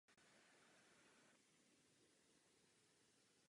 Wej využil situace a začal prosazovat své stoupence na významné pozice v paláci.